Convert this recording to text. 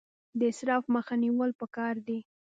د اسراف مخه نیول پکار دي